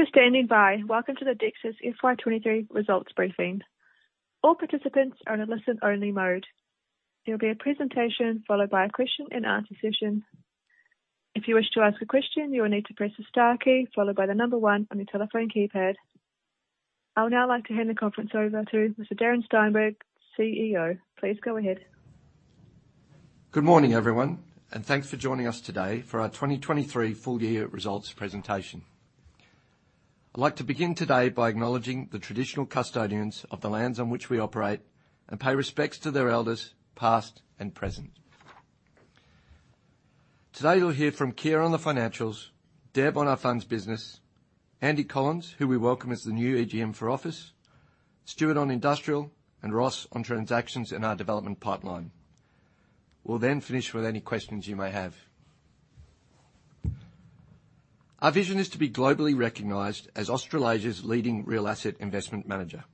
Thank you for standing by. Welcome to the Dexus FY23 results briefing. All participants are in a listen-only mode. There will be a presentation, followed by a question and answer session. If you wish to ask a question, you will need to press the star key followed by the number one on your telephone keypad. I would now like to hand the conference over to Mr. Darren Steinberg, CEO. Please go ahead. Thanks for joining us today for our 2023 full year results presentation. I'd like to begin today by acknowledging the traditional custodians of the lands on which we operate and pay respects to their elders, past and present. Today, you'll hear from Keir on the financials, Deb on our funds business, Andy Collins, who we welcome as the new EGM for office, Stewart on industrial, and Ross on transactions and our development pipeline. We'll finish with any questions you may have. Our vision is to be globally recognized as Australasia's leading real asset investment manager.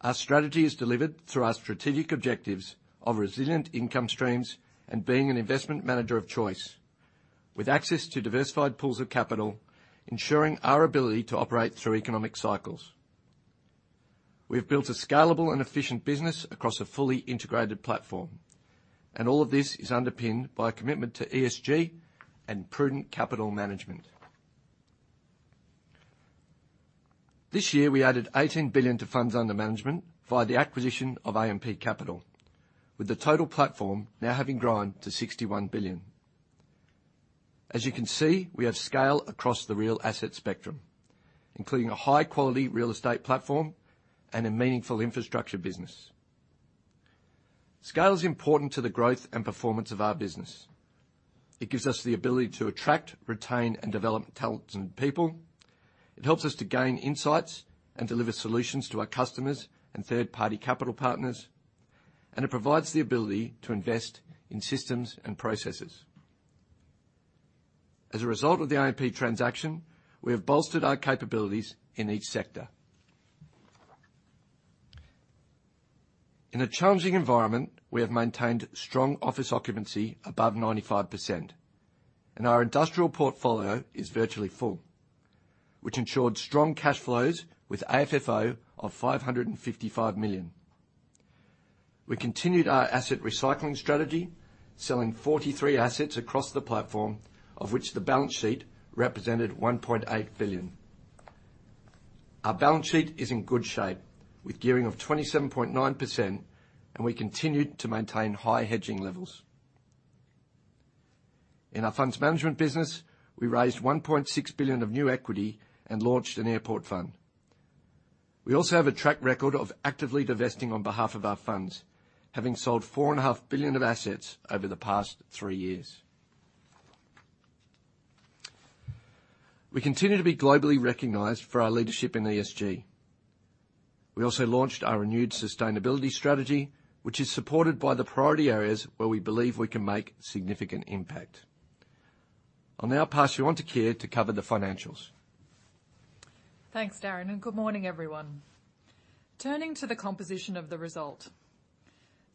Our strategy is delivered through our strategic objectives of resilient income streams and being an investment manager of choice, with access to diversified pools of capital, ensuring our ability to operate through economic cycles. We have built a scalable and efficient business across a fully integrated platform, and all of this is underpinned by a commitment to ESG and prudent capital management. This year, we added 18 billion to funds under management via the acquisition of AMP Capital, with the total platform now having grown to 61 billion. As you can see, we have scale across the real asset spectrum, including a high-quality real estate platform and a meaningful infrastructure business. Scale is important to the growth and performance of our business. It gives us the ability to attract, retain, and develop talented people. It helps us to gain insights and deliver solutions to our customers and third-party capital partners, and it provides the ability to invest in systems and processes. As a result of the AMP transaction, we have bolstered our capabilities in each sector. In a challenging environment, we have maintained strong office occupancy above 95%, and our industrial portfolio is virtually full, which ensured strong cash flows with AFFO of 555 million. We continued our asset recycling strategy, selling 43 assets across the platform, of which the balance sheet represented 1.8 billion. Our balance sheet is in good shape, with gearing of 27.9%, and we continued to maintain high hedging levels. In our funds management business, we raised 1.6 billion of new equity and launched an airport fund. We also have a track record of actively divesting on behalf of our funds, having sold 4.5 billion of assets over the past three years. We continue to be globally recognized for our leadership in ESG. We also launched our renewed sustainability strategy, which is supported by the priority areas where we believe we can make significant impact. I'll now pass you on to Keir to cover the financials. Thanks, Darren, and good morning, everyone. Turning to the composition of the result.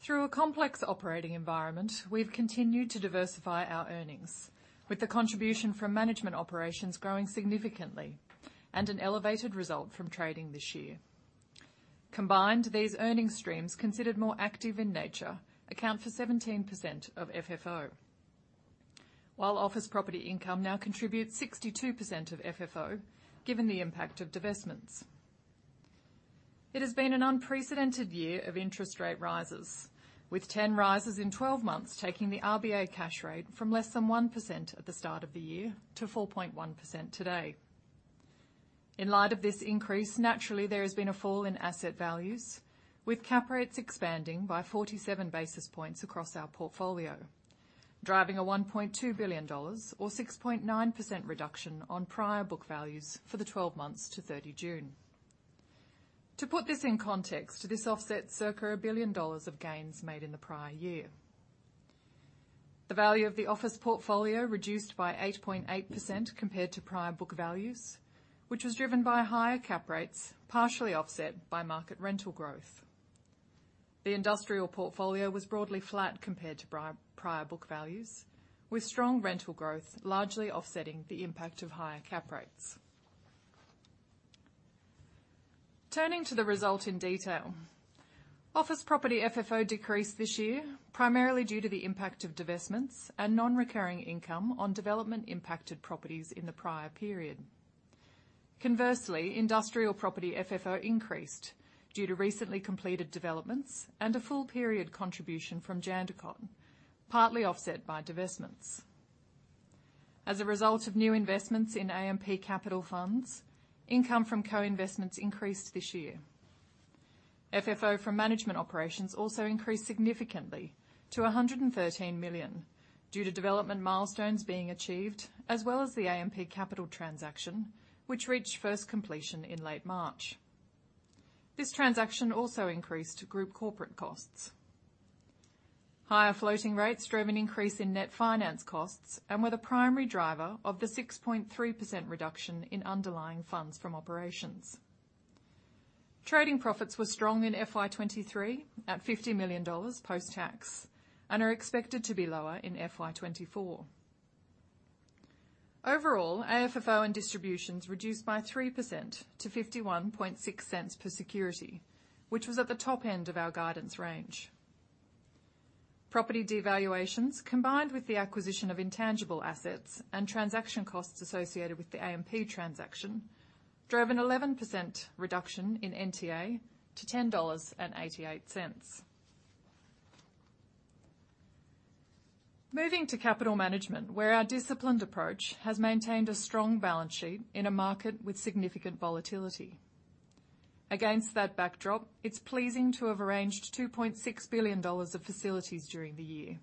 Through a complex operating environment, we've continued to diversify our earnings, with the contribution from management operations growing significantly and an elevated result from trading this year. Combined, these earning streams, considered more active in nature, account for 17% of FFO, while office property income now contributes 62% of FFO, given the impact of divestments. It has been an unprecedented year of interest rate rises, with 10 rises in 12 months, taking the RBA cash rate from less than 1% at the start of the year to 4.1% today. In light of this increase, naturally, there has been a fall in asset values, with cap rates expanding by 47 basis points across our portfolio, driving an 1.2 billion dollars, or 6.9% reduction on prior book values for the 12 months to June 30. To put this in context, this offsets circa 1 billion dollars of gains made in the prior year. The value of the office portfolio reduced by 8.8% compared to prior book values, which was driven by higher cap rates, partially offset by market rental growth. The industrial portfolio was broadly flat compared to prior book values, with strong rental growth largely offsetting the impact of higher cap rates. Turning to the result in detail. Office property FFO decreased this year, primarily due to the impact of divestments and non-recurring income on development-impacted properties in the prior period. Conversely, industrial property FFO increased due to recently completed developments and a full period contribution from Jandakot, partly offset by divestments. A result of new investments in AMP Capital Funds, income from co-investments increased this year. FFO from management operations also increased significantly to 113 million due to development milestones being achieved, as well as the AMP Capital transaction, which reached first completion in late March. This transaction also increased group corporate costs. Higher floating rates drove an increase in net finance costs and were the primary driver of the 6.3% reduction in underlying funds from operations. Trading profits were strong in FY23, at AUD 50 million post-tax, and are expected to be lower in FY24. AFFO and distributions reduced by 3% to 0.516 per security, which was at the top end of our guidance range. Property devaluations, combined with the acquisition of intangible assets and transaction costs associated with the AMP transaction, drove an 11% reduction in NTA to 10.88 dollars. Moving to capital management, where our disciplined approach has maintained a strong balance sheet in a market with significant volatility. Against that backdrop, it's pleasing to have arranged 2.6 billion dollars of facilities during the year,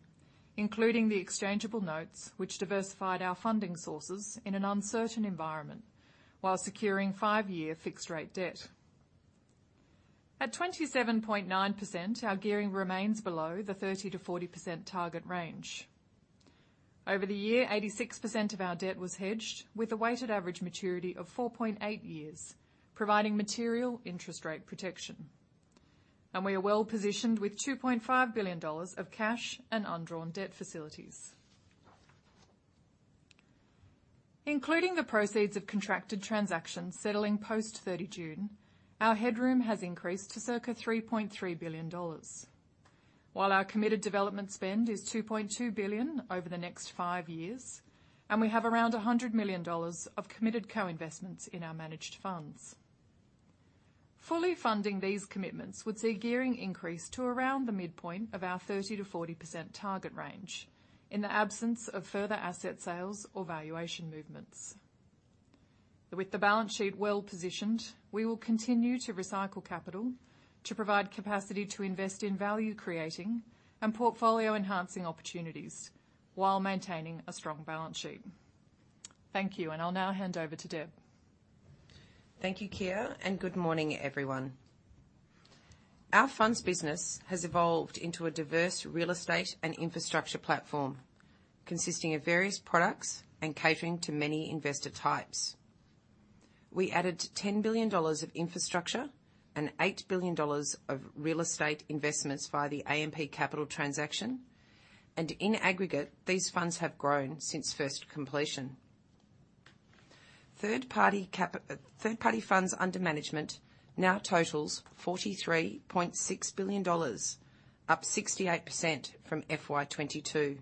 including the exchangeable notes, which diversified our funding sources in an uncertain environment, while securing 5-year fixed rate debt. At 27.9%, our gearing remains below the 30%-40% target range. Over the year, 86% of our debt was hedged with a weighted average maturity of 4.8 years, providing material interest rate protection. We are well-positioned with 2.5 billion dollars of cash and undrawn debt facilities. Including the proceeds of contracted transactions settling post-30 June, our headroom has increased to circa AUD 3.3 billion. While our committed development spend is AUD 2.2 billion over the next five years, and we have around AUD 100 million of committed co-investments in our managed funds. Fully funding these commitments would see gearing increase to around the midpoint of our 30%-40% target range, in the absence of further asset sales or valuation movements. Thank you, I'll now hand over to Deb. Thank you, Keir, and good morning, everyone. Our funds business has evolved into a diverse real estate and infrastructure platform, consisting of various products and catering to many investor types. We added 10 billion dollars of infrastructure and 8 billion dollars of real estate investments via the AMP Capital transaction, and in aggregate, these funds have grown since first completion. Third-party funds under management now totals 43.6 billion dollars, up 68% from FY22.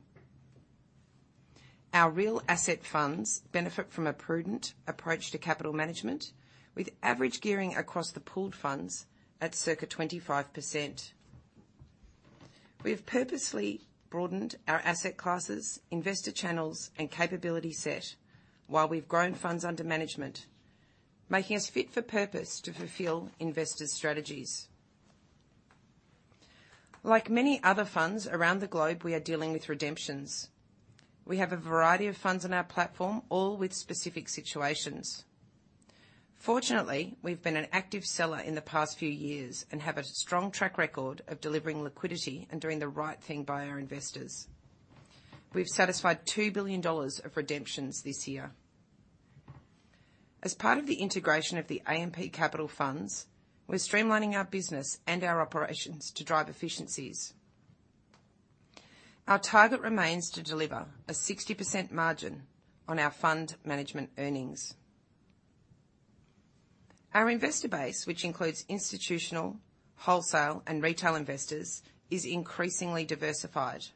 Our real asset funds benefit from a prudent approach to capital management, with average gearing across the pooled funds at circa 25%. We've purposely broadened our asset classes, investor channels, and capability set, while we've grown funds under management, making us fit for purpose to fulfill investors' strategies. Like many other funds around the globe, we are dealing with redemptions. We have a variety of funds on our platform, all with specific situations. Fortunately, we've been an active seller in the past few years and have a strong track record of delivering liquidity and doing the right thing by our investors. We've satisfied 2 billion dollars of redemptions this year. As part of the integration of the AMP Capital funds, we're streamlining our business and our operations to drive efficiencies. Our target remains to deliver a 60% margin on our fund management earnings. Our investor base, which includes institutional, wholesale, and retail investors, is increasingly diversified.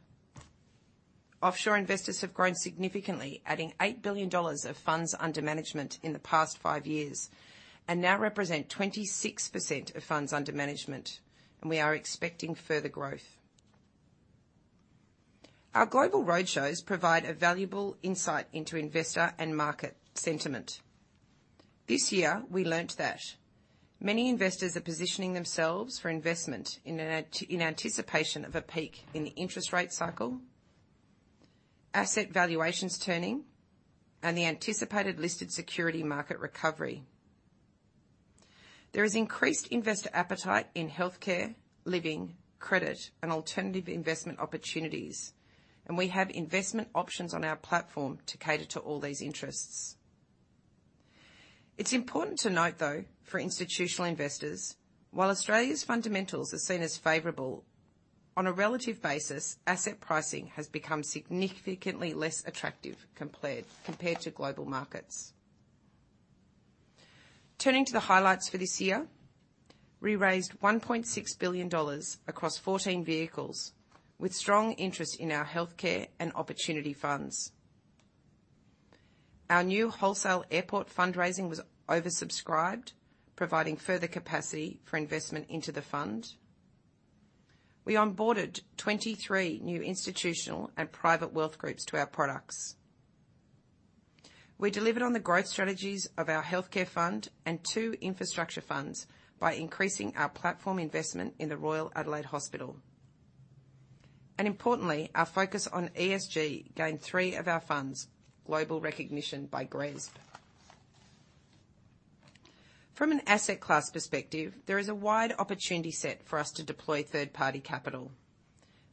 Offshore investors have grown significantly, adding 8 billion dollars of funds under management in the past five years, and now represent 26% of funds under management, and we are expecting further growth. Our global roadshows provide a valuable insight into investor and market sentiment. This year, we learned that many investors are positioning themselves for investment in anticipation of a peak in the interest rate cycle, asset valuations turning, and the anticipated listed security market recovery. There is increased investor appetite in healthcare, living, credit, and alternative investment opportunities, and we have investment options on our platform to cater to all these interests. It's important to note, though, for institutional investors, while Australia's fundamentals are seen as favorable, on a relative basis, asset pricing has become significantly less attractive compared to global markets. Turning to the highlights for this year, we raised 1.6 billion dollars across 14 vehicles, with strong interest in our healthcare and opportunity funds. Our new wholesale airport fundraising was oversubscribed, providing further capacity for investment into the fund. We onboarded 23 new institutional and private wealth groups to our products. We delivered on the growth strategies of our healthcare fund and two infrastructure funds by increasing our platform investment in the Royal Adelaide Hospital. Importantly, our focus on ESG gained three of our funds global recognition by GRESB. From an asset class perspective, there is a wide opportunity set for us to deploy third-party capital.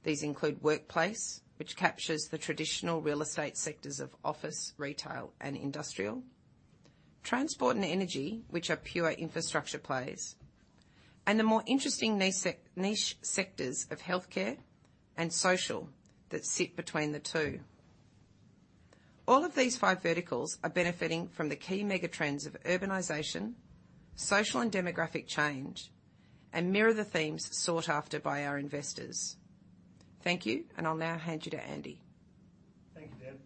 These include workplace, which captures the traditional real estate sectors of office, retail, and industrial. Transport and energy, which are pure infrastructure plays, and the more interesting niche sectors of healthcare and social, that sit between the two. All of these five verticals are benefiting from the key mega trends of urbanization, social and demographic change, and mirror the themes sought after by our investors. Thank you, and I'll now hand you to Andy. Thank you, Deb.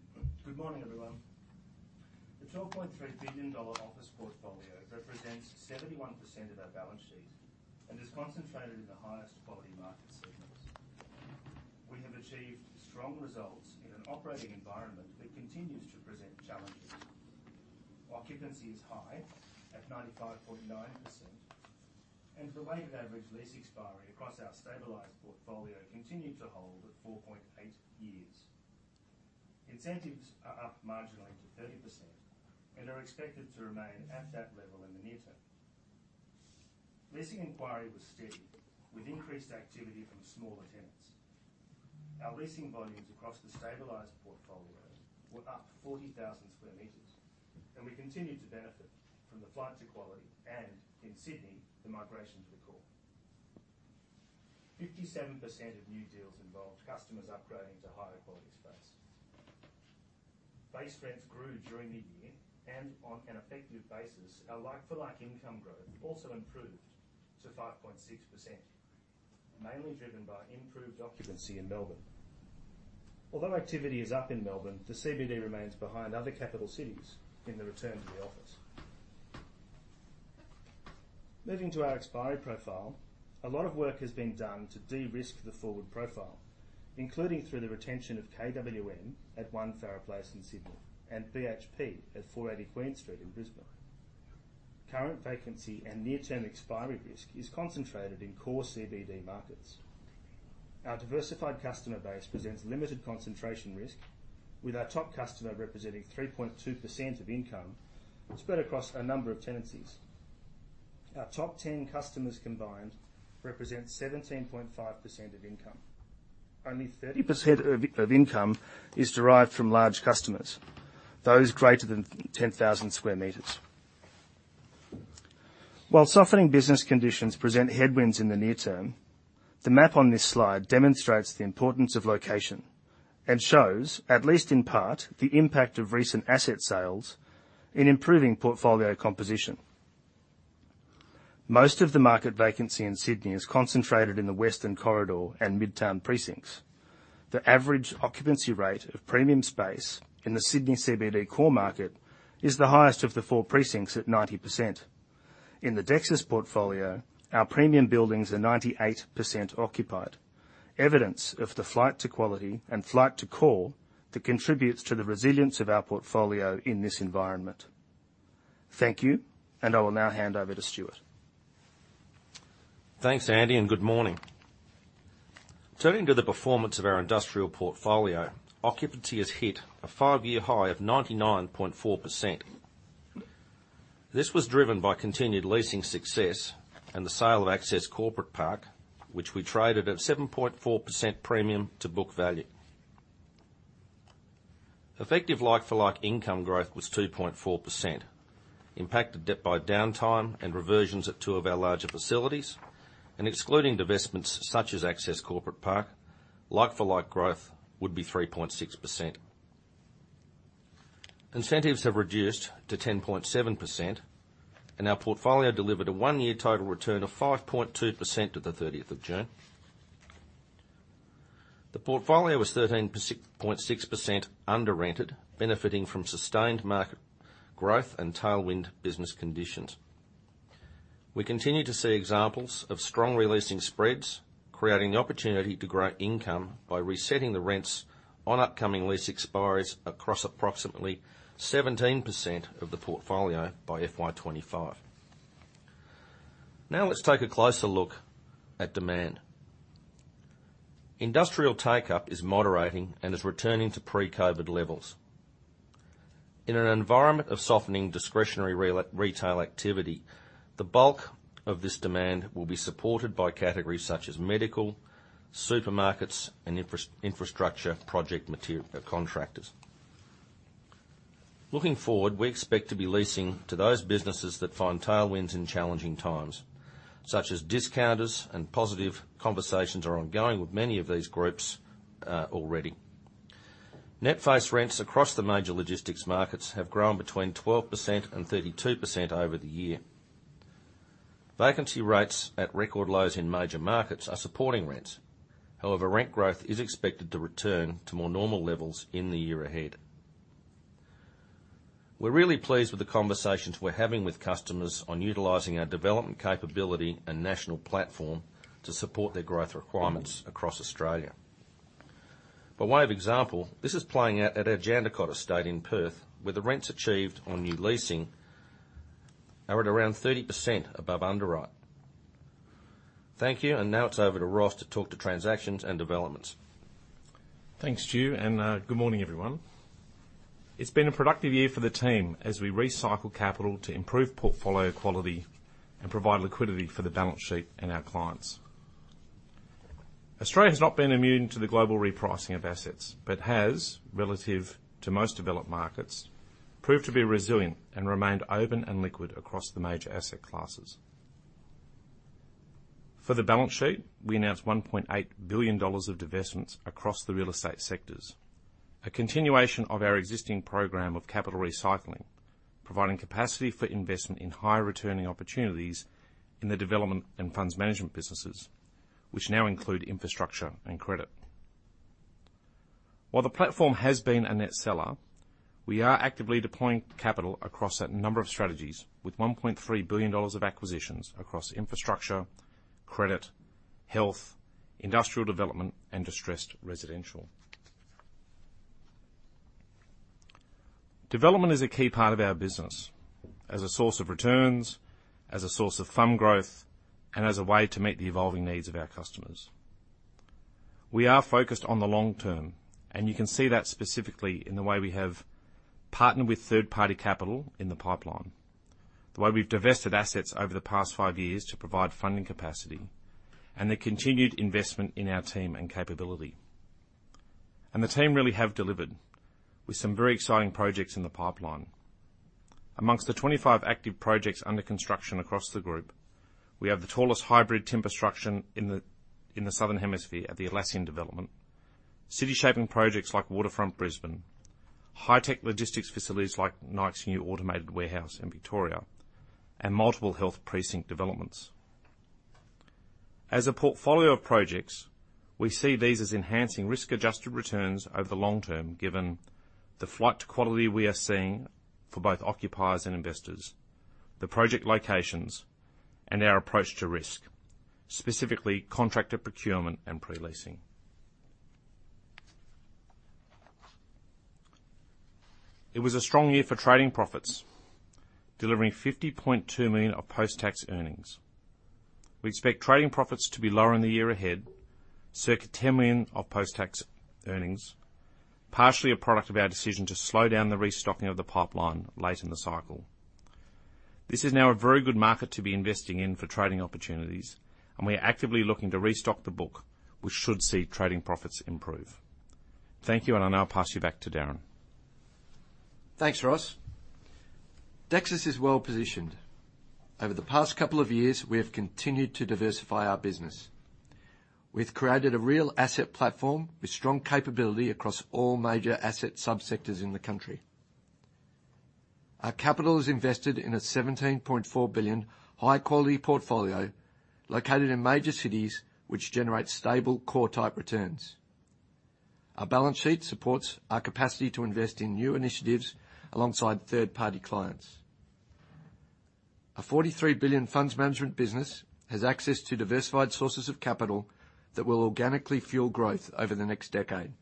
Good morning, everyone. The 12.3 billion dollar office portfolio represents 71% of our balance sheet and is concentrated in the highest quality market segments. We have achieved strong results in an operating environment that continues to present challenges. Occupancy is high at 95.9%, and the weighted average lease expiry across our stabilized portfolio continued to hold at 4.8 years. Incentives are up marginally to 30% and are expected to remain at that level in the near term. Leasing inquiry was steady, with increased activity from smaller tenants. Our leasing volumes across the stabilized portfolio were up 40,000 square meters, and we continued to benefit from the flight to quality, and in Sydney, the migration to the core. 57% of new deals involved customers upgrading to higher quality space. Base rents grew during the year, and on an effective basis, our like-for-like income growth also improved to 5.6%, mainly driven by improved occupancy in Melbourne. Although activity is up in Melbourne, the CBD remains behind other capital cities in the return to the office. Moving to our expiry profile, a lot of work has been done to de-risk the forward profile, including through the retention of KWM at One Farrer Place in Sydney and BHP at 480 Queen Street in Brisbane. Current vacancy and near-term expiry risk is concentrated in core CBD markets. Our diversified customer base presents limited concentration risk, with our top customer representing 3.2% of income spread across a number of tenancies. Our top 10 customers combined represent 17.5% of income. Only 30% of income is derived from large customers, those greater than 10,000 square meters. While softening business conditions present headwinds in the near term, the map on this slide demonstrates the importance of location and shows, at least in part, the impact of recent asset sales in improving portfolio composition. Most of the market vacancy in Sydney is concentrated in the Western Corridor and Midtown precincts. The average occupancy rate of premium space in the Sydney CBD core market is the highest of the four precincts, at 90%. In the Dexus portfolio, our premium buildings are 98% occupied. Evidence of the flight to quality and flight to core that contributes to the resilience of our portfolio in this environment. Thank you. I will now hand over to Stuart. Thanks, Andy. Good morning. Turning to the performance of our industrial portfolio, occupancy has hit a five-year high of 99.4%. This was driven by continued leasing success and the sale of Axxess Corporate Park, which we traded at 7.4% premium to book value. Effective like-for-like income growth was 2.4%, impacted at by downtime and reversions at two of our larger facilities. Excluding divestments such as Axxess Corporate Park, like-for-like growth would be 3.6%. Incentives have reduced to 10.7%. Our portfolio delivered a one-year total return of 5.2% to the 30th of June. The portfolio was 13.6% under rented, benefiting from sustained market growth and tailwind business conditions. We continue to see examples of strong re-leasing spreads, creating the opportunity to grow income by resetting the rents on upcoming lease expiries across approximately 17% of the portfolio by FY25. Now, let's take a closer look at demand. Industrial take-up is moderating and is returning to pre-COVID levels. In an environment of softening discretionary retail activity, the bulk of this demand will be supported by categories such as medical, supermarkets, and infrastructure project contractors. Looking forward, we expect to be leasing to those businesses that find tailwinds in challenging times, such as discounters, and positive conversations are ongoing with many of these groups already. Net face rents across the major logistics markets have grown between 12% and 32% over the year. Vacancy rates at record lows in major markets are supporting rents. Rent growth is expected to return to more normal levels in the year ahead. We're really pleased with the conversations we're having with customers on utilizing our development capability and national platform to support their growth requirements across Australia. By way of example, this is playing out at our Jandakot Estate in Perth, where the rents achieved on new leasing are at around 30% above underwrite. Thank you. Now it's over to Ross to talk to transactions and developments. Thanks, Stu, and good morning, everyone. It's been a productive year for the team as we recycle capital to improve portfolio quality and provide liquidity for the balance sheet and our clients. Australia has not been immune to the global repricing of assets, but has, relative to most developed markets, proved to be resilient and remained open and liquid across the major asset classes. For the balance sheet, we announced 1.8 billion dollars of divestments across the real estate sectors, a continuation of our existing program of capital recycling, providing capacity for investment in higher returning opportunities in the development and funds management businesses, which now include infrastructure and credit. While the platform has been a net seller, we are actively deploying capital across a number of strategies with 1.3 billion dollars of acquisitions across infrastructure, credit, health, industrial development, and distressed residential. Development is a key part of our business as a source of returns, as a source of fund growth, and as a way to meet the evolving needs of our customers. We are focused on the long term. You can see that specifically in the way we have partnered with third-party capital in the pipeline, the way we've divested assets over the past five years to provide funding capacity, and the continued investment in our team and capability. The team really have delivered with some very exciting projects in the pipeline. Amongst the 25 active projects under construction across the group, we have the tallest hybrid timber structure in the, in the Southern Hemisphere at the Atlassian development, city shaping projects like Waterfront Brisbane, high-tech logistics facilities like Nike's new automated warehouse in Victoria, and multiple health precinct developments. As a portfolio of projects, we see these as enhancing risk-adjusted returns over the long term, given the flight to quality we are seeing for both occupiers and investors, the project locations, and our approach to risk, specifically contractor procurement and pre-leasing. It was a strong year for trading profits, delivering 50.2 million of post-tax earnings. We expect trading profits to be lower in the year ahead, circa 10 million of post-tax earnings, partially a product of our decision to slow down the restocking of the pipeline late in the cycle. This is now a very good market to be investing in for trading opportunities, and we are actively looking to restock the book, which should see trading profits improve. Thank you, and I'll now pass you back to Darren. Thanks, Ross. Dexus is well positioned. Over the past couple of years, we have continued to diversify our business. We've created a real asset platform with strong capability across all major asset subsectors in the country. Our capital is invested in a 17.4 billion high-quality portfolio located in major cities, which generates stable core-type returns. Our balance sheet supports our capacity to invest in new initiatives alongside third-party clients. Our AUD 43 billion funds management business has access to diversified sources of capital that will organically fuel growth over the next decade.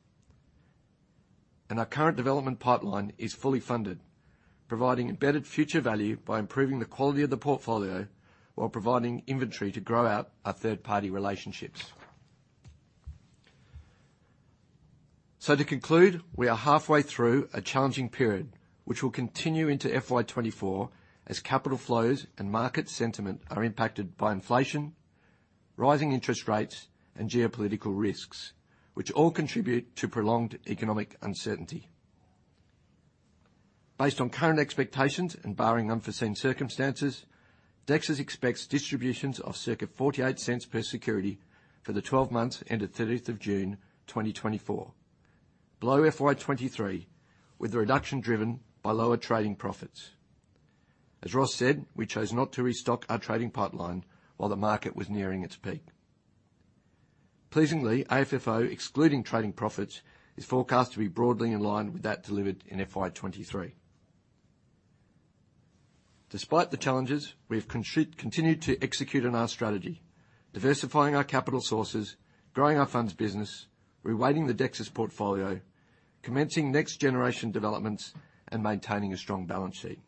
Our current development pipeline is fully funded, providing embedded future value by improving the quality of the portfolio while providing inventory to grow out our third-party relationships. To conclude, we are halfway through a challenging period, which will continue into FY24, as capital flows and market sentiment are impacted by inflation, rising interest rates, and geopolitical risks, which all contribute to prolonged economic uncertainty. Based on current expectations and barring unforeseen circumstances, Dexus expects distributions of circa 0.48 per security for the 12 months, ended June 30, 2024, below FY23, with the reduction driven by lower trading profits. As Ross said, we chose not to restock our trading pipeline while the market was nearing its peak. Pleasingly, AFFO, excluding trading profits, is forecast to be broadly in line with that delivered in FY23. Despite the challenges, we have continued to execute on our strategy, diversifying our capital sources, growing our funds business, reweighting the Dexus portfolio, commencing next generation developments, and maintaining a strong balance sheet.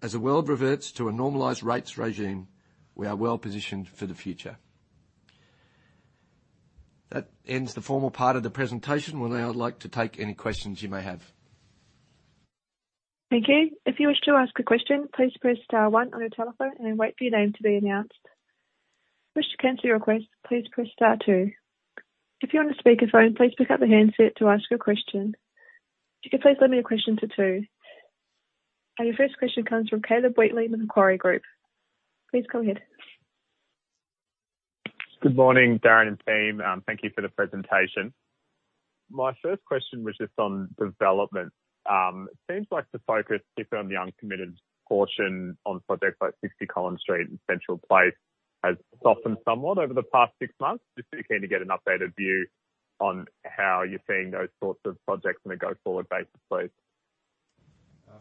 As the world reverts to a normalized rates regime, we are well positioned for the future. That ends the formal part of the presentation. We'll now like to take any questions you may have. Thank you. If you wish to ask a question, please press star one on your telephone and wait for your name to be announced. If you wish to cancel your request, please press star two. If you're on a speakerphone, please pick up the handset to ask your question. Could you please limit your question to two? Your first question comes from Caleb Wheatley with Macquarie Group. Please go ahead. Good morning, Darren and team. Thank you for the presentation. My first question was just on development. It seems like the focus, particularly on the uncommitted portion on projects like 60 Collins Street and Central Place, has softened somewhat over the past six months. Just keen to get an updated view on how you're seeing those sorts of projects on a go-forward basis, please.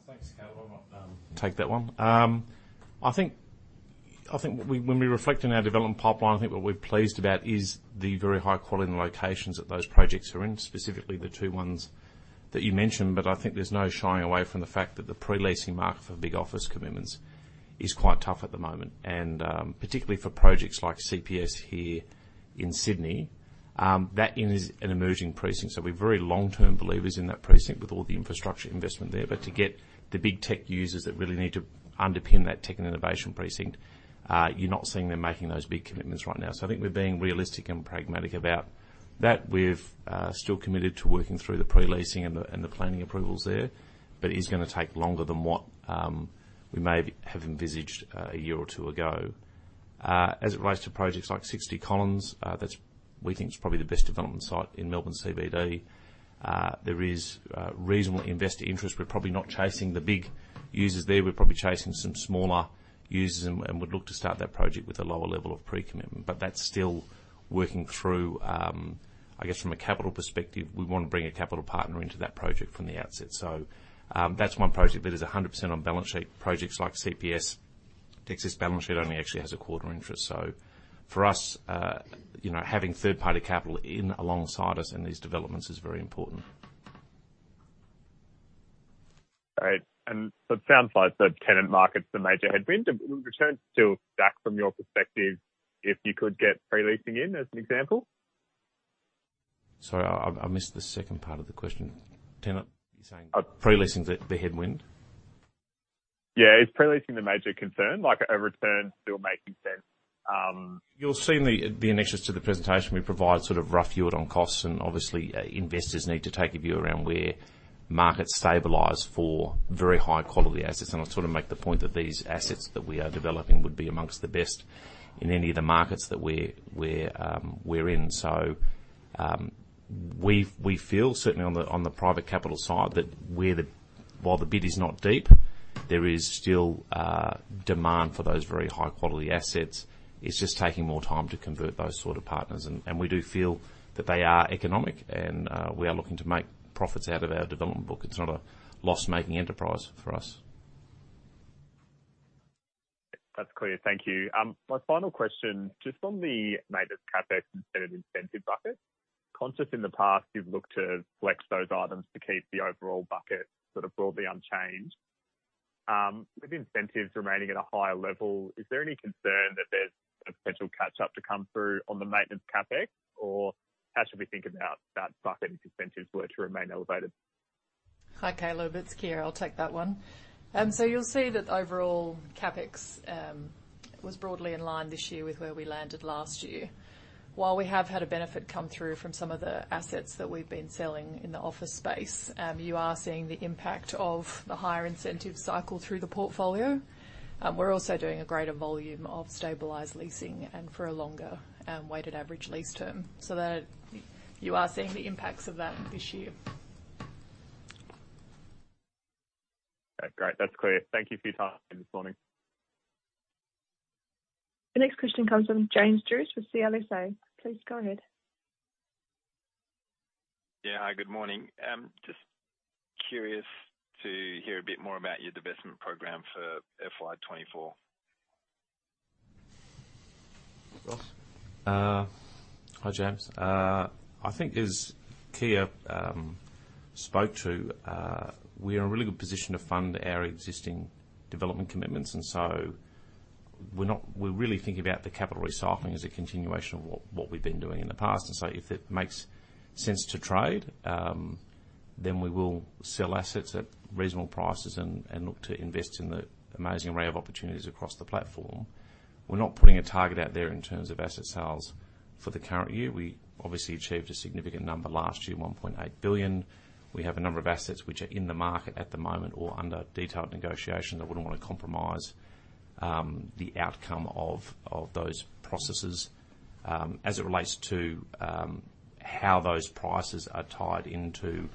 Thanks, Caleb. I'll take that one. I think, I think we when we reflect on our development pipeline, I think what we're pleased about is the very high quality and locations that those projects are in, specifically the two ones-... that you mentioned, but I think there's no shying away from the fact that the pre-leasing market for big office commitments is quite tough at the moment. Particularly for projects like CPS here in Sydney, that is an emerging precinct, so we're very long-term believers in that precinct with all the infrastructure investment there. To get the big tech users that really need to underpin that tech and innovation precinct, you're not seeing them making those big commitments right now. I think we're being realistic and pragmatic about that. We've still committed to working through the pre-leasing and the, and the planning approvals there, it's gonna take longer than what we may have envisaged a year or two ago. As it relates to projects like 60 Collins, we think it's probably the best development site in Melbourne CBD. There is reasonable investor interest, we're probably not chasing the big users there. We're probably chasing some smaller users and, and would look to start that project with a lower level of pre-commitment, but that's still working through. I guess, from a capital perspective, we want to bring a capital partner into that project from the outset. That's one project that is 100% on balance sheet. Projects like CPS, Dexus balance sheet only actually has a 0.25 interest. For us, you know, having third-party capital in alongside us in these developments is very important. All right. So it sounds like the tenant market's the major headwind. Would return to back from your perspective, if you could get pre-leasing in, as an example? Sorry, I, I missed the second part of the question. Tenant, you're saying? Uh- Pre-leasing is the, the headwind. Is pre-leasing the major concern, like, a return still making sense? You'll see in the, the annexures to the presentation, we provide sort of rough yield on costs, and obviously, investors need to take a view around where markets stabilize for very high quality assets. I'll sort of make the point that these assets that we are developing would be amongst the best in any of the markets that we're, we're, we're in. We, we feel certainly on the, on the private capital side, that while the bid is not deep, there is still demand for those very high-quality assets. It's just taking more time to convert those sort of partners. We do feel that they are economic, and we are looking to make profits out of our development book. It's not a loss-making enterprise for us. That's clear. Thank you. My final question, just on the maintenance CapEx incentive bucket. Conscious in the past, you've looked to flex those items to keep the overall bucket sort of broadly unchanged. With incentives remaining at a higher level, is there any concern that there's a potential catch-up to come through on the maintenance CapEx, or how should we think about that bucket if incentives were to remain elevated? Hi, Caleb, it's Keir. I'll take that one. You'll see that the overall CapEx was broadly in line this year with where we landed last year. While we have had a benefit come through from some of the assets that we've been selling in the office space, you are seeing the impact of the higher incentive cycle through the portfolio. We're also doing a greater volume of stabilized leasing and for a longer weighted average lease term, so that you are seeing the impacts of that this year. Okay, great. That's clear. Thank you for your time this morning. The next question comes from James Druce with CLSA. Please go ahead. Yeah. Hi, good morning. Just curious to hear a bit more about your divestment program for FY24. Ross? Hi, James. I think as Keir spoke to, we are in a really good position to fund our existing development commitments, and so we're not, we're really thinking about the capital recycling as a continuation of what we've been doing in the past. If it makes sense to trade, then we will sell assets at reasonable prices and look to invest in the amazing array of opportunities across the platform. We're not putting a target out there in terms of asset sales for the current year. We obviously achieved a significant number last year, $1.8 billion. We have a number of assets which are in the market at the moment or under detailed negotiation. I wouldn't want to compromise the outcome of those processes. As it relates to, how those prices are tied into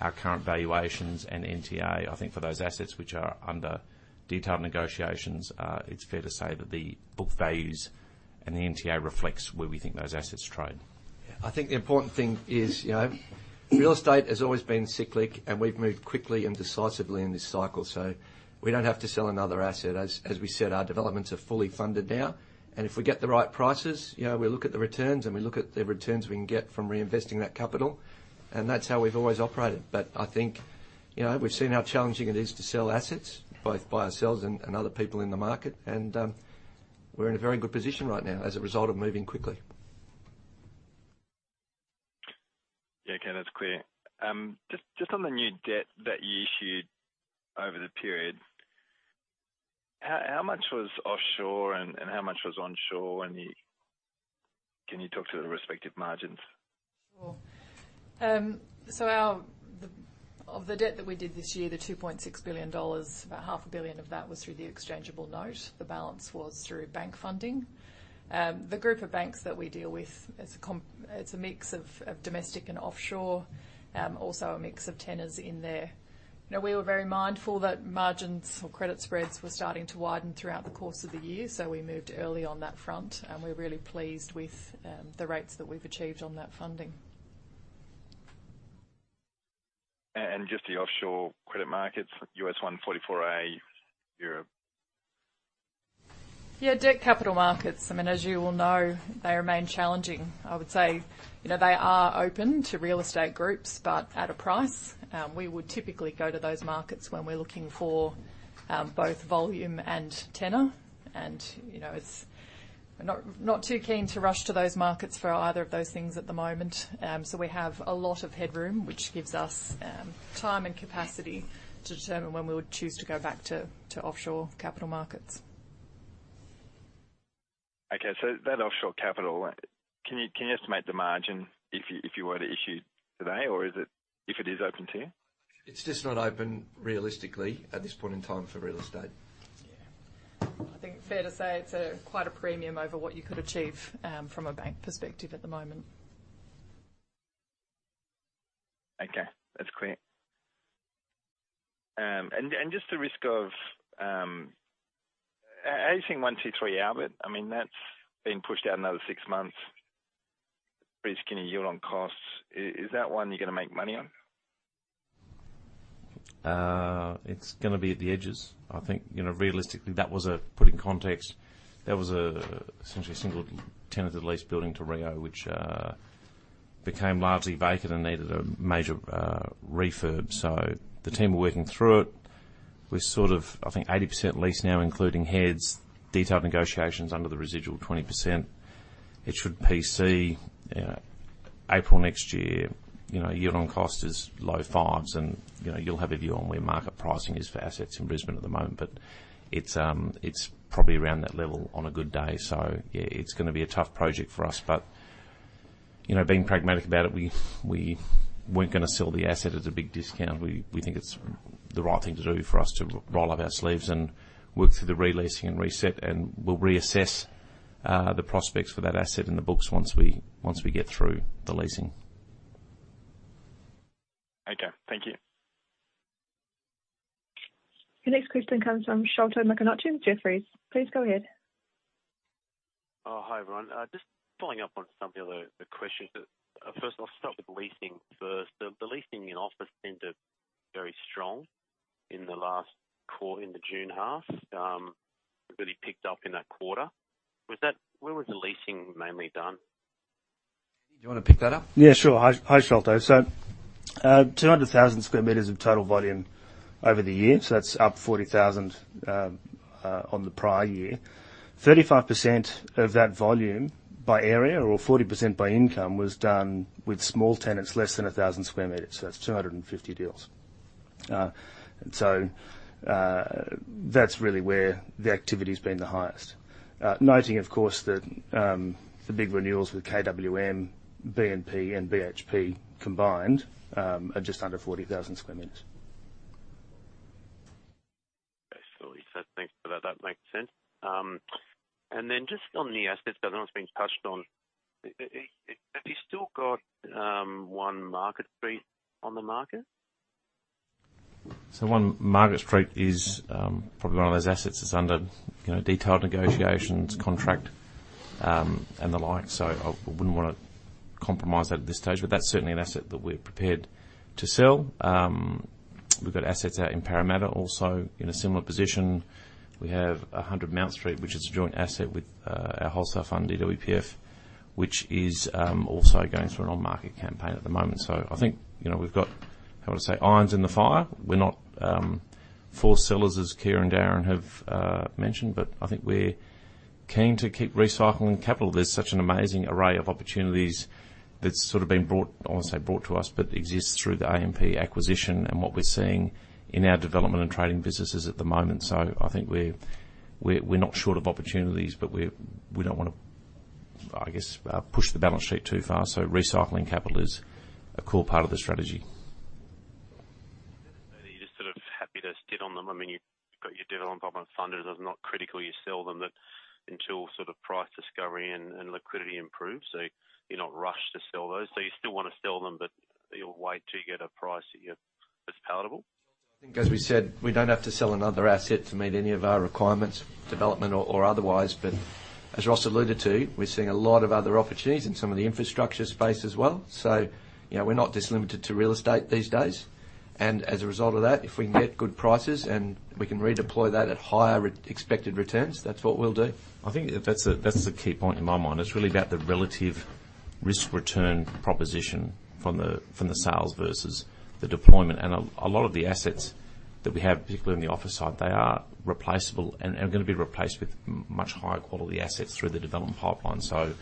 our current valuations and NTA, I think for those assets which are under detailed negotiations, it's fair to say that the book values and the NTA reflects where we think those assets trade. I think the important thing is, you know, real estate has always been cyclic, and we've moved quickly and decisively in this cycle, so we don't have to sell another asset. As we said, our developments are fully funded now, and if we get the right prices, you know, we look at the returns, and we look at the returns we can get from reinvesting that capital, and that's how we've always operated. I think, you know, we've seen how challenging it is to sell assets, both by ourselves and, and other people in the market, and we're in a very good position right now as a result of moving quickly. Yeah, okay, that's clear. just, just on the new debt that you issued over the period, how, how much was offshore and, and how much was onshore? Can you talk to the respective margins? Sure. Of the debt that we did this year, the $2.6 billion, about $500 million of that was through the exchangeable note. The balance was through bank funding. The group of banks that we deal with, it's a mix of domestic and offshore, also a mix of tenors in there. You know, we were very mindful that margins or credit spreads were starting to widen throughout the course of the year, we moved early on that front, and we're really pleased with the rates that we've achieved on that funding. Just the offshore credit markets, U.S. 144A, Europe? Yeah, debt capital markets, I mean, as you all know, they remain challenging. I would say, you know, they are open to real estate groups, but at a price. We would typically go to those markets when we're looking for, both volume and tenor. You know, it's not, not too keen to rush to those markets for either of those things at the moment. We have a lot of headroom, which gives us, time and capacity to determine when we would choose to go back to, to offshore capital markets. Okay, that offshore capital, can you, can you estimate the margin if you, if you were to issue today, or if it is open to you? It's just not open realistically at this point in time for real estate. Yeah. I think it's fair to say it's quite a premium over what you could achieve, from a bank perspective at the moment. Okay, that's clear. Just the risk of, how are you seeing 123 Albert? I mean, that's being pushed out another 6 months. Pretty skinny yield on costs. Is, is that one you're going to make money on? It's gonna be at the edges. I think, you know, realistically, that was put in context, that was essentially a single-tenanted lease building to Rio, which became largely vacant and needed a major refurb. The team were working through it. We're sort of, I think, 80% leased now, including heads, detailed negotiations under the residual 20%. It should PC April next year. You know, yield on cost is low fives, and, you know, you'll have a view on where market pricing is for assets in Brisbane at the moment, but it's probably around that level on a good day, so yeah, it's gonna be a tough project for us. You know, being pragmatic about it, we, we weren't gonna sell the asset at a big discount. We, we think it's the right thing to do for us to roll up our sleeves and work through the re-leasing and reset, and we'll reassess the prospects for that asset in the books once we, once we get through the leasing. Okay, thank you. The next question comes from Sholto Maconochie, Jefferies. Please go ahead. Oh, hi, everyone. Just following up on some of the other, the questions. First, I'll start with leasing first. The, the leasing in office seemed very strong in the last quarter, in the June half. Really picked up in that quarter. Where was the leasing mainly done? Do you want to pick that up? Yeah, sure. Hi, Sholto. 200,000 square meters of total volume over the year, so that's up 40,000 on the prior year. 35% of that volume by area, or 40% by income, was done with small tenants, less than 1,000 square meters, so that's 250 deals. That's really where the activity's been the highest. Noting, of course, that the big renewals with KWM, BNP, and BHP combined are just under 40,000 square meters. Okay, surely. Thanks for that. That makes sense. Just on the assets that everyone's been touched on, have you still got, 1 Margaret Street on the market? 1 Margaret Street is probably one of those assets that's under, you know, detailed negotiations, contract, and the like, so I wouldn't want to compromise that at this stage, but that's certainly an asset that we're prepared to sell. We've got assets out in Parramatta, also in a similar position. We have a 100 Mount Street, which is a joint asset with our wholesale fund, DWPF, which is also going through an on-market campaign at the moment. I think, you know, we've got, how to say, irons in the fire. We're not forced sellers, as Keir and Darren have mentioned, but I think we're keen to keep recycling capital. There's such an amazing array of opportunities that's sort of been brought, I want to say, brought to us, but exists through the AMP acquisition and what we're seeing in our development and trading businesses at the moment. I think we're, we're, we're not short of opportunities, but we don't want to, I guess, push the balance sheet too far, so recycling capital is a core part of the strategy. You're just sort of happy to sit on them. I mean, you've got your development pipeline funded, and it's not critical you sell them, but until sort of price discovery and, and liquidity improves, so you're not rushed to sell those. You still want to sell them, but you'll wait till you get a price that you're... that's palatable? I think, as we said, we don't have to sell another asset to meet any of our requirements, development or, or otherwise. As Ross alluded to, we're seeing a lot of other opportunities in some of the infrastructure space as well. You know, we're not just limited to real estate these days. As a result of that, if we can get good prices and we can redeploy that at higher expected returns, that's what we'll do. I think that's the, that's the key point in my mind. It's really about the relative risk-return proposition from the, from the sales versus the deployment. And a, a lot of the assets that we have, particularly in the office side, they are replaceable and are gonna be replaced with much higher quality assets through the development pipeline. So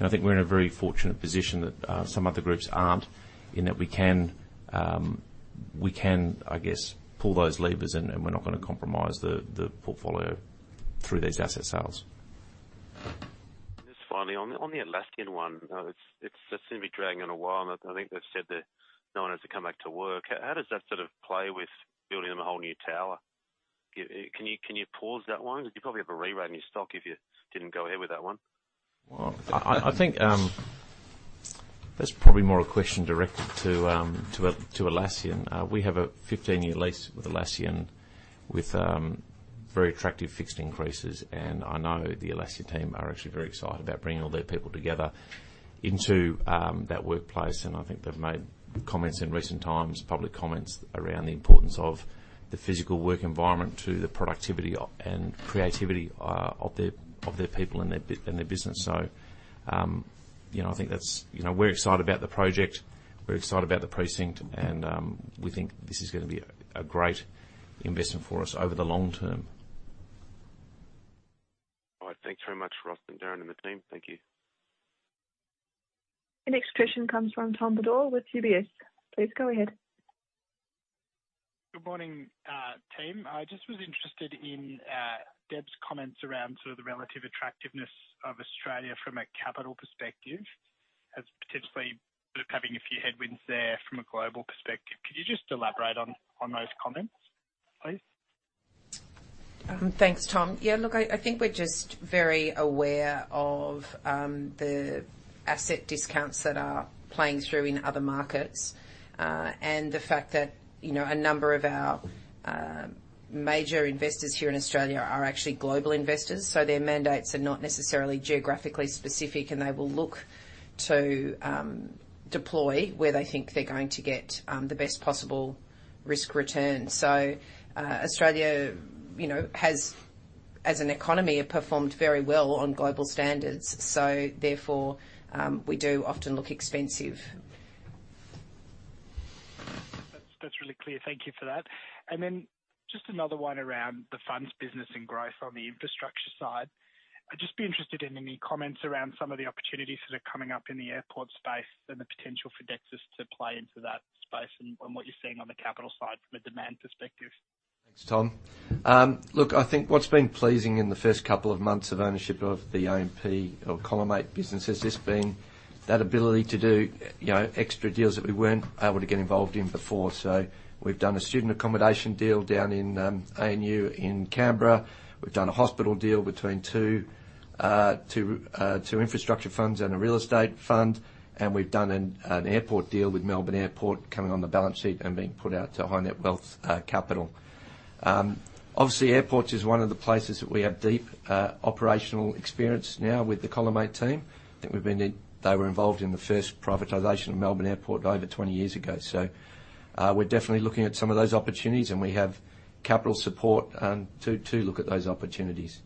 I think we're in a very fortunate position that some other groups aren't, in that we can, we can, I guess, pull those levers and, and we're not gonna compromise the, the portfolio through these asset sales. Just finally, on the, on the Atlassian one, it's, it's just going to be dragging on a while, and I think they've said that no one has to come back to work. How does that sort of play with building them a whole new tower? Can you, can you pause that one? You'd probably have a re-rate in your stock if you didn't go ahead with that one. Well, I, I think, that's probably more a question directed to, to, to Atlassian. We have a 15-year lease with Atlassian, with, very attractive fixed increases, and I know the Atlassian team are actually very excited about bringing all their people together into, that workplace, and I think they've made comments in recent times, public comments, around the importance of.... the physical work environment to the productivity and creativity of their, of their people and their business. You know, I think that's. You know, we're excited about the project, we're excited about the precinct, and we think this is gonna be a, a great investment for us over the long term. All right. Thanks very much, Ross and Darren and the team. Thank you. The next question comes from Tom Bodor with UBS. Please go ahead. Good morning, team. I just was interested in Deb's comments around sort of the relative attractiveness of Australia from a capital perspective, as potentially sort of having a few headwinds there from a global perspective. Could you just elaborate on, on those comments, please? Thanks, Tom. Yeah, look, I, I think we're just very aware of the asset discounts that are playing through in other markets, and the fact that, you know, a number of our major investors here in Australia are actually global investors. Their mandates are not necessarily geographically specific, and they will look to deploy where they think they're going to get the best possible risk return. Australia, you know, has, as an economy, performed very well on global standards, so therefore, we do often look expensive. That's, that's really clear. Thank you for that. Just another one around the funds business and growth on the infrastructure side. I'd just be interested in any comments around some of the opportunities that are coming up in the airport space and the potential for Dexus to play into that space, and, and what you're seeing on the capital side from a demand perspective. Thanks, Tom. Look, I think what's been pleasing in the first couple of months of ownership of the AMP or Collimate business, has just been that ability to do, you know, extra deals that we weren't able to get involved in before. We've done a student accommodation deal down in ANU in Canberra. We've done a hospital deal between 2, 2, 2 infrastructure funds and a real estate fund, and we've done an airport deal with Melbourne Airport coming on the balance sheet and being put out to high net wealth capital. Obviously, airports is one of the places that we have deep operational experience now with the Collimate team. They were involved in the first privatization of Melbourne Airport over 20 years ago. We're definitely looking at some of those opportunities, and we have capital support to look at those opportunities.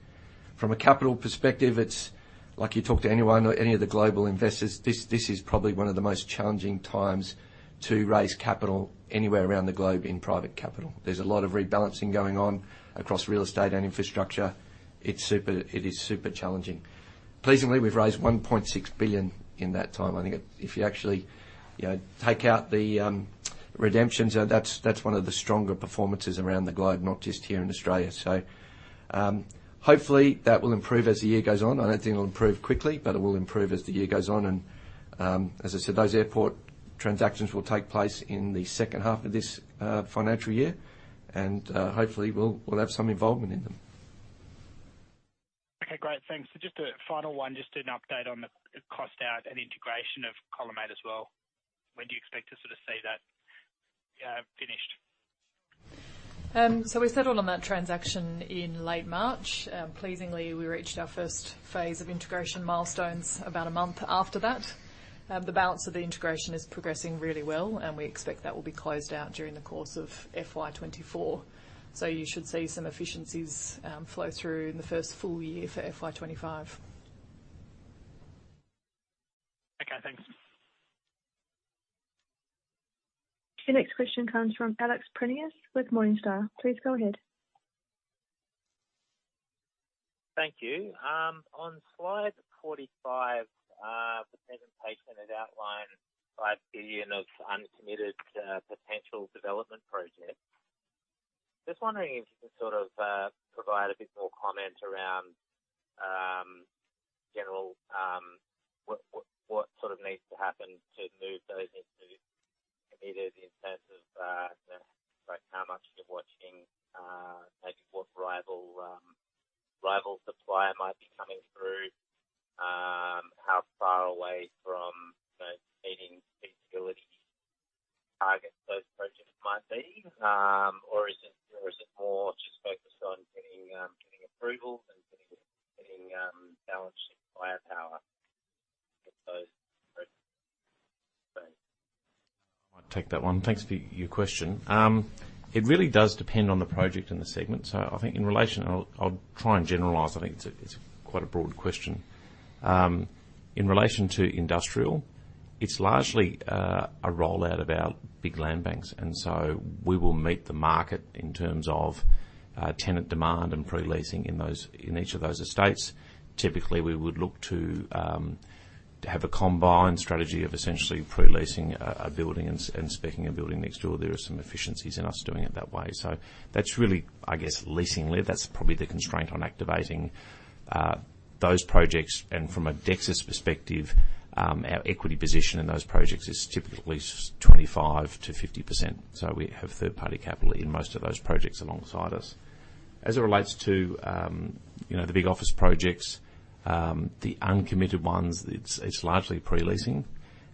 From a capital perspective, it's like you talk to anyone or any of the global investors, this is probably one of the most challenging times to raise capital anywhere around the globe in private capital. There's a lot of rebalancing going on across real estate and infrastructure. It is super challenging. Pleasingly, we've raised 1.6 billion in that time. I think if you actually, you know, take out the redemptions, that's one of the stronger performances around the globe, not just here in Australia. Hopefully, that will improve as the year goes on. I don't think it'll improve quickly, but it will improve as the year goes on, and, as I said, those airport transactions will take place in the 2nd half of this financial year, and, hopefully, we'll, we'll have some involvement in them. Okay, great. Thanks. Just a final one, just an update on the, the cost out and integration of Collimate as well. When do you expect to sort of see that finished? We settled on that transaction in late March. Pleasingly, we reached our first phase of integration milestones about a month after that. The balance of the integration is progressing really well, and we expect that will be closed out during the course of FY24. You should see some efficiencies, flow through in the first full year for FY25. Okay, thanks. Your next question comes from Alex Prineas with Morningstar. Please go ahead. Thank you. On slide 45, the presentation has outlined 5 billion of uncommitted, potential development projects. Just wondering if you can sort of, provide a bit more comment around, general, what, what, what sort of needs to happen to move those into committed in terms of, like, how much you're watching, maybe what rival, rival supplier might be coming through? How far away from meeting feasibility targets those projects might be? Is it, or is it more just focused on getting, getting approvals and getting, getting, balancing buyer power with those projects? I might take that one. Thanks for your, your question. It really does depend on the project and the segment. I think in relation... I'll, I'll try and generalize. I think it's a, it's quite a broad question. In relation to industrial, it's largely, a rollout of our big land banks, We will meet the market in terms of, tenant demand and pre-leasing in those, in each of those estates. Typically, we would look to have a combined strategy of essentially pre-leasing a, a building and, and speccing a building next door. There are some efficiencies in us doing it that way. That's really, I guess, leasing-ly, that's probably the constraint on activating those projects, and from a Dexus perspective, our equity position in those projects is typically 25%-50%, so we have third-party capital in most of those projects alongside us. As it relates to, you know, the big office projects, the uncommitted ones, it's, it's largely pre-leasing,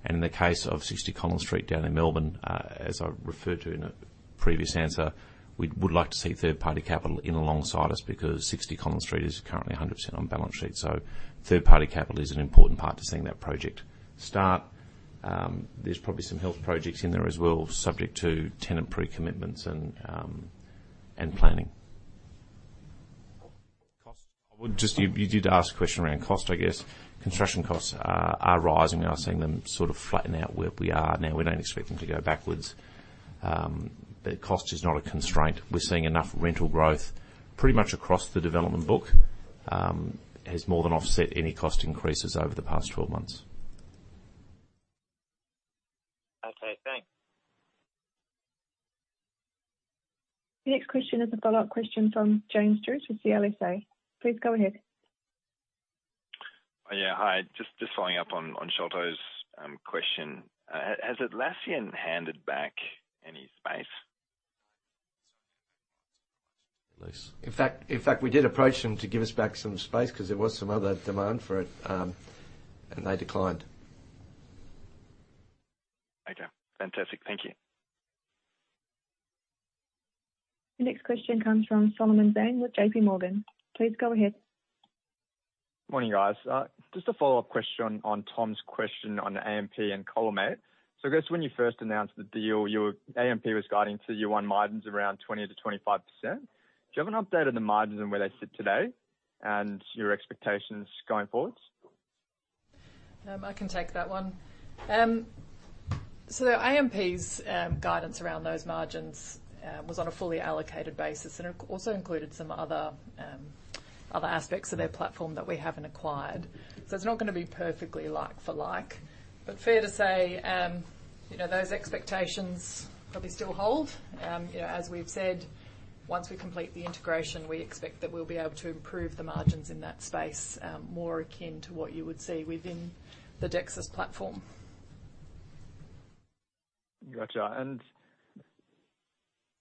and in the case of 60 Collins Street down in Melbourne, as I referred to in a previous answer, we'd would like to see third-party capital in alongside us, because 60 Collins Street is currently 100% on balance sheet. Third-party capital is an important part to seeing that project start. there's probably some health projects in there as well, subject to tenant pre-commitments and planning. Cost, You did ask a question around cost, I guess. Construction costs are rising. We are seeing them sort of flatten out where we are now. We don't expect them to go backwards. Cost is not a constraint. We're seeing enough rental growth pretty much across the development book has more than offset any cost increases over the past 12 months. Okay, thanks. The next question is a follow-up question from James Druce with CLSA. Please go ahead. Yeah, hi. Just, just following up on, on Sholto's question. Has Atlassian handed back any space? In fact, we did approach them to give us back some space because there was some other demand for it. They declined. Okay, fantastic. Thank you. The next question comes from Solomon Zhang with JPMorgan. Please go ahead. Morning, guys. Just a follow-up question on Tom's question on AMP and Collimate Capital. I guess when you first announced the deal, AMP was guiding to year one margins around 20%-25%. Do you have an update on the margins and where they sit today, and your expectations going forwards? I can take that one. AMP's guidance around those margins was on a fully allocated basis, and it also included some other aspects of their platform that we haven't acquired. It's not going to be perfectly like for like, but fair to say, you know, those expectations probably still hold. You know, as we've said, once we complete the integration, we expect that we'll be able to improve the margins in that space, more akin to what you would see within the Dexus platform. Gotcha.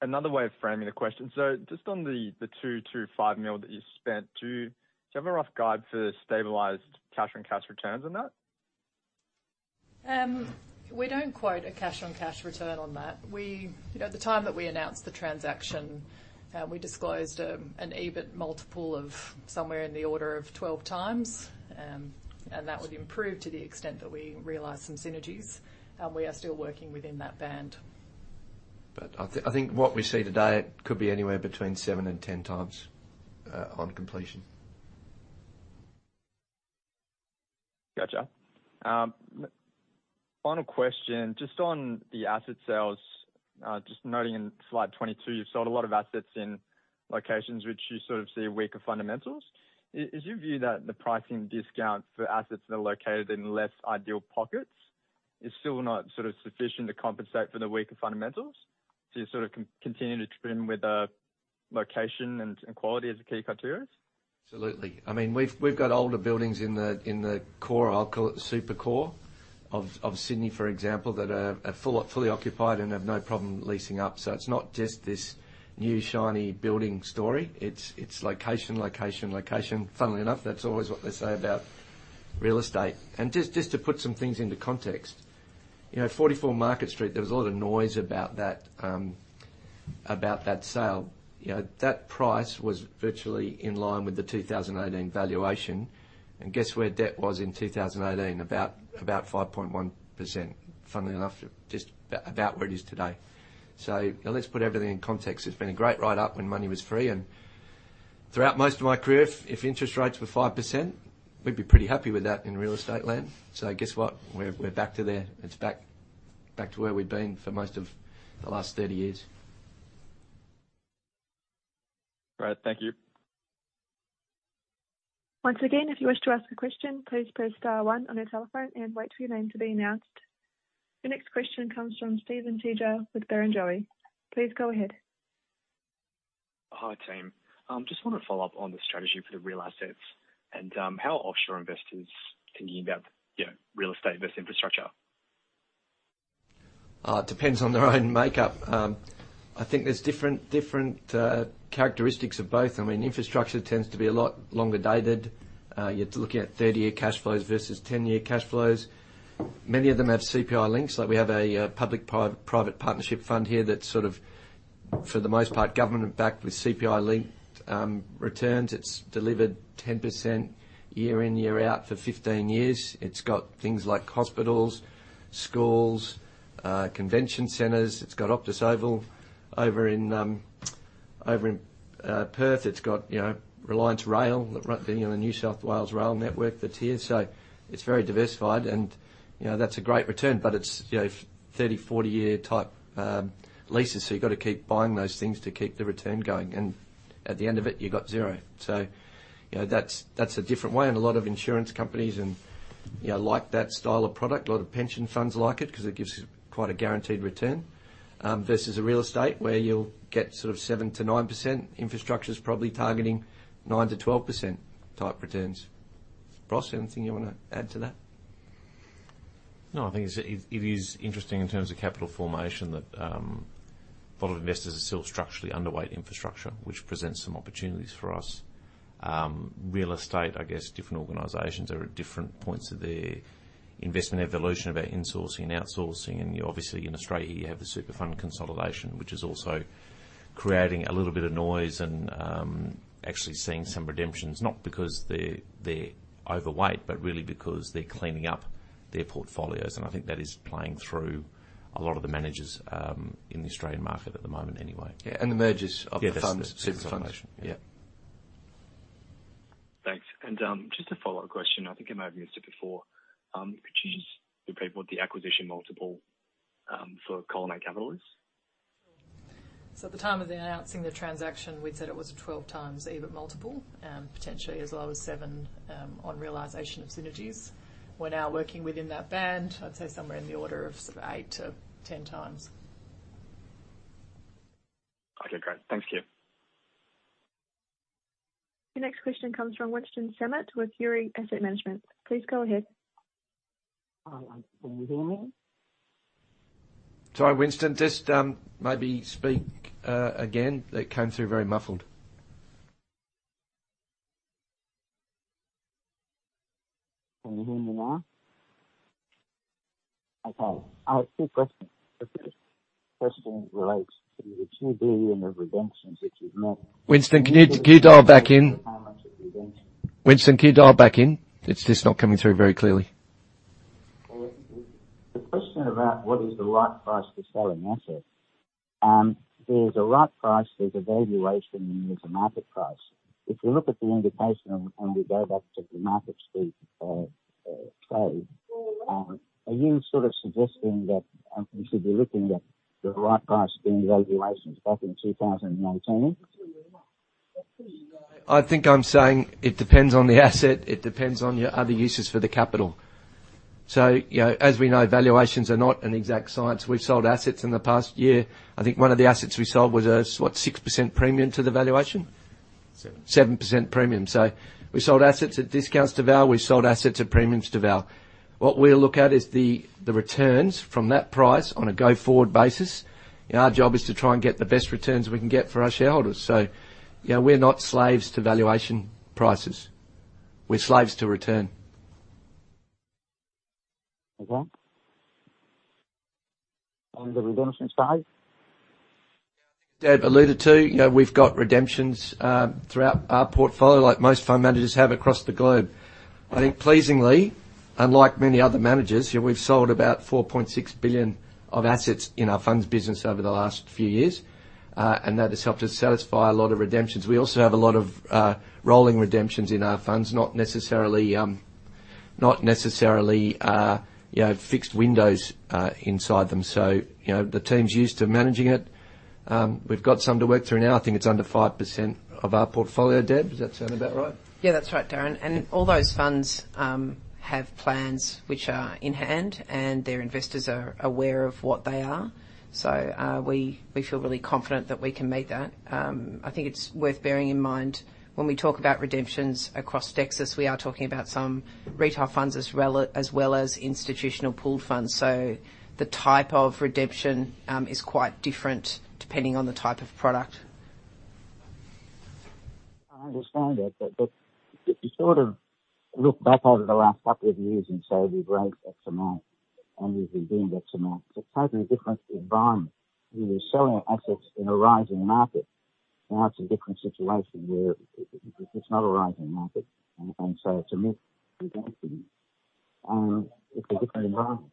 Another way of framing the question: Just on the 2 million-5 million that you spent, do you have a rough guide for stabilized cash-on-cash returns on that? We don't quote a cash-on-cash return on that. We You know, at the time that we announced the transaction, we disclosed an EBIT multiple of somewhere in the order of 12 times. That would improve to the extent that we realize some synergies. We are still working within that band. I think, I think what we see today, it could be anywhere between 7 and 10 times, on completion. Gotcha. final question, just on the asset sales, just noting in slide 22, you've sold a lot of assets in locations which you sort of see weaker fundamentals. Is your view that the pricing discount for assets that are located in less ideal pockets is still not sort of sufficient to compensate for the weaker fundamentals? You sort of continue to trim with the location and, and quality as the key criteria? Absolutely. I mean, we've, we've got older buildings in the, in the core, I'll call it the super core, of, of Sydney, for example, that are, are full- fully occupied and have no problem leasing up. So it's not just this new, shiny building story. It's, it's location, location, location. Funnily enough, that's always what they say about real estate. Just, just to put some things into context, you know, 44 Market Street, there was a lot of noise about that, about that sale. You know, that price was virtually in line with the 2018 valuation. Guess where debt was in 2018? About, about 5.1%. Funnily enough, just about where it is today. Let's put everything in context. It's been a great ride up when money was free, and throughout most of my career, if, if interest rates were 5%, we'd be pretty happy with that in real estate land. Guess what? We're, we're back to there. It's back, back to where we've been for most of the last 30 years. Great. Thank you. Once again, if you wish to ask a question, please press star one on your telephone and wait for your name to be announced. The next question comes from Steven Tjia with Barrenjoey. Please go ahead. Hi, team. Just want to follow up on the strategy for the real assets and how are offshore investors thinking about, you know, real estate versus infrastructure? It depends on their own makeup. I think there's different, different characteristics of both. I mean infrastructure tends to be a lot longer dated. You're looking at 30-year cash flows versus 10-year cash flows. Many of them have CPI links. Like we have a public-private partnership fund here that's sort of, for the most part, government-backed with CPI-linked returns. It's delivered 10% year in, year out for 15 years. It's got things like hospitals, schools, convention centers. It's got Optus Stadium over in, over in Perth. It's got, you know, Reliance Rail, the, you know, the New South Wales rail network that's here. So it's very diversified, and, you know, that's a great return, but it's, you know, 30-40-year type leases, so you've got to keep buying those things to keep the return going. At the end of it, you've got 0. You know, that's, that's a different way, and a lot of insurance companies and, you know, like that style of product. A lot of pension funds like it because it gives quite a guaranteed return, versus a real estate, where you'll get sort of 7%-9%. Infrastructure's probably targeting 9%-12% type returns. Ross, anything you want to add to that? No, I think it's, it, it is interesting in terms of capital formation, that a lot of investors are still structurally underweight infrastructure, which presents some opportunities for us. Real estate, I guess different organizations are at different points of their investment evolution about insourcing and outsourcing. Obviously, in Australia, you have the super fund consolidation, which is also creating a little bit of noise and actually seeing some redemptions, not because they're, they're overweight, but really because they're cleaning up their portfolios. I think that is playing through a lot of the managers, in the Australian market at the moment anyway. Yeah, and the mergers of the funds. Yeah, the super consolidation. Yeah. Thanks. Just a follow-up question. I think it may have been said before. Could you just repeat what the acquisition multiple for Collimate Capital is? At the time of announcing the transaction, we'd said it was a 12 times EBIT multiple, potentially as low as 7 on realization of synergies. We're now working within that band. I'd say somewhere in the order of sort of 8-10 times. Okay, great. Thanks, Keir. Your next question comes from Winston Sammut with E&P Management. Please go ahead. Can you hear me? Sorry, Winston, just maybe speak again. That came through very muffled. Can you hear me now? Okay. I have two questions. The first question relates to the AUD 2 billion of redemptions that you've met. Winston, can you, can you dial back in? Redemptions. Winston, can you dial back in? It's just not coming through very clearly. The question about what is the right price to sell an asset. There's a right price, there's a valuation, and there's a market price. If you look at the indication, and, and we go back to the Market Street, trade, are you sort of suggesting that, we should be looking at the right price in valuations back in 2019? I think I'm saying it depends on the asset, it depends on your other uses for the capital. You know, as we know, valuations are not an exact science. We've sold assets in the past year. I think one of the assets we sold was a, what, 6% premium to the valuation? Seven. 7% premium. We sold assets at discounts to val, we've sold assets at premiums to val. What we'll look at is the returns from that price on a go-forward basis. Our job is to try and get the best returns we can get for our shareholders. You know, we're not slaves to valuation prices. We're slaves to return. Okay. On the redemption side? Deb alluded to, you know, we've got redemptions throughout our portfolio, like most fund managers have across the globe. I think pleasingly, unlike many other managers, we've sold about 4.6 billion of assets in our funds business over the last few years, and that has helped us satisfy a lot of redemptions. We also have a lot of rolling redemptions in our funds, not necessarily, not necessarily, you know, fixed windows inside them. You know, the team's used to managing it. We've got some to work through now. I think it's under 5% of our portfolio, Deb, does that sound about right? Yeah, that's right, Darren. All those funds have plans which are in hand, and their investors are aware of what they are. We, we feel really confident that we can meet that. I think it's worth bearing in mind when we talk about redemptions across Dexus, we are talking about some retail funds as well as institutional pooled funds. The type of redemption is quite different depending on the type of product. I understand that, but if you sort of look back over the last couple of years and say, we raised X amount and we've been doing X amount, it's a totally different environment. We were selling assets in a rising market. Now it's a different situation where it's not a rising market, and so to me, it's a different environment.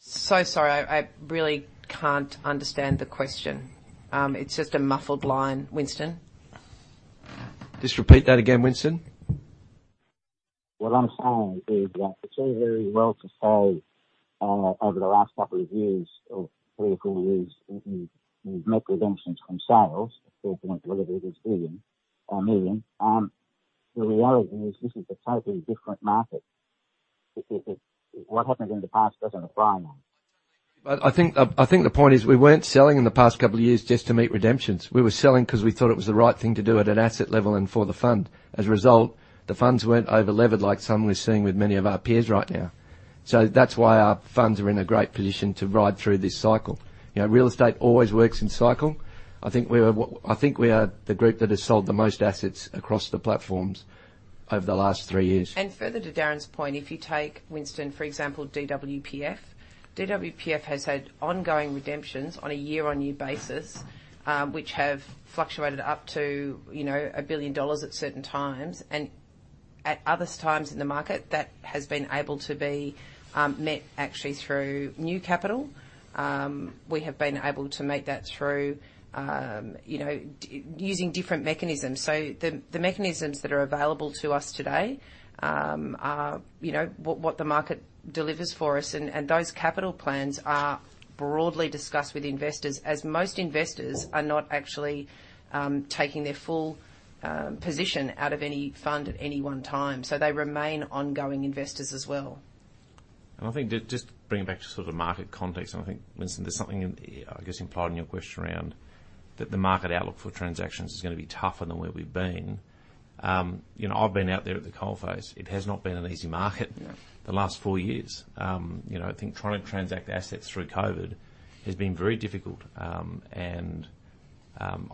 Sorry, I, I really can't understand the question. It's just a muffled line, Winston. Just repeat that again, Winston. What I'm saying is that it's all very well to say, over the last couple of years, or three or four years, we've, we've met redemptions from sales, AUD 4 point whatever it is billion, million. The reality is this is a totally different market. It, it, it... What happened in the past doesn't apply now. I think, I think the point is, we weren't selling in the past couple of years just to meet redemptions. We were selling because we thought it was the right thing to do at an asset level and for the fund. As a result, the funds weren't over-levered like some we're seeing with many of our peers right now. That's why our funds are in a great position to ride through this cycle. You know, real estate always works in cycle. I think we are I think we are the group that has sold the most assets across the platforms over the last three years. Further to Darren's point, if you take Winston, for example, DWPF. DWPF has had ongoing redemptions on a year-on-year basis, which have fluctuated up to, you know, $1 billion at certain times, and at other times in the market, that has been able to be met actually through new capital. We have been able to meet that through, you know, using different mechanisms. The mechanisms that are available to us today are, you know, what the market delivers for us, and those capital plans are broadly discussed with investors, as most investors are not actually taking their full position out of any fund at any one time. They remain ongoing investors as well. I think to just bring it back to sort of market context, I think, Winston, there's something in, I guess, implied in your question around that the market outlook for transactions is gonna be tougher than where we've been. You know, I've been out there at the coalface. It has not been an easy market. Yeah. the last 4 years. You know, I think trying to transact assets through COVID has been very difficult. I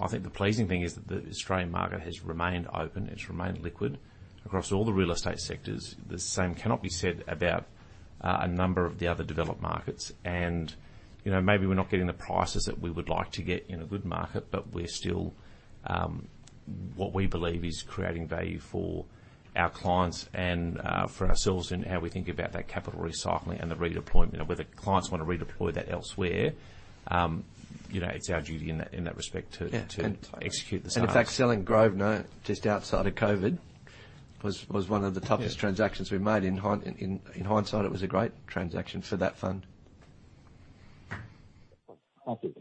think the pleasing thing is that the Australian market has remained open, it's remained liquid across all the real estate sectors. The same cannot be said about a number of the other developed markets. You know, maybe we're not getting the prices that we would like to get in a good market, but we're still what we believe is creating value for our clients and for ourselves in how we think about that capital recycling and the redeployment. Whether clients want to redeploy that elsewhere, you know, it's our duty in that, in that respect, to execute the sale. In fact, selling Grosvenor just outside of COVID was, was one of the toughest transactions we made. In hindsight, it was a great transaction for that fund. I see.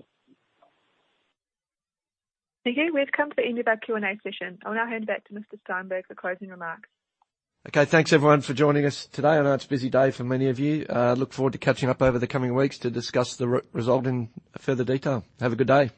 Thank you. We've come to the end of our Q&A session. I'll now hand back to Mr. Steinberg for closing remarks. Okay. Thanks, everyone, for joining us today. I know it's a busy day for many of you. Look forward to catching up over the coming weeks to discuss the result in further detail. Have a good day.